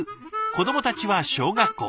子どもたちは小学校。